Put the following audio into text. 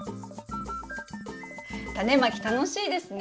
タネまき楽しいですね！